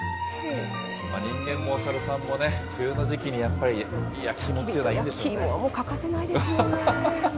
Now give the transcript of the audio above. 人間もおサルさんもね、冬の時期にやっぱり、焼き芋っていうのは焼き芋、欠かせないですよね。